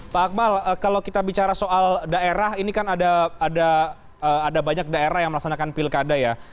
pak akmal kalau kita bicara soal daerah ini kan ada banyak daerah yang melaksanakan pilkada ya